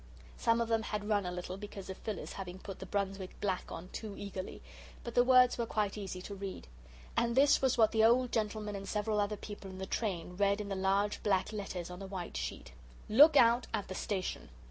Some of them had run a little, because of Phyllis having put the Brunswick black on too eagerly, but the words were quite easy to read. And this what the old gentleman and several other people in the train read in the large black letters on the white sheet: LOOK OUT AT THE STATION.